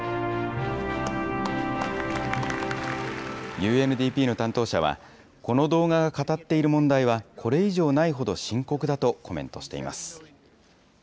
ＵＮＤＰの担当者は、この動画が語っている問題はこれ以上ないほど深刻だとコメントしています。